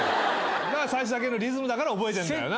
最初だけのリズムだから覚えてんだよな。